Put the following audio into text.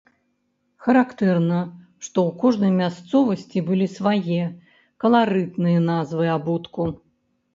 Характэрна, што ў кожнай мясцовасці былі свае, каларытныя назвы абутку.